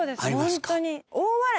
ホントに。